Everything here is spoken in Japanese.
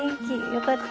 よかった。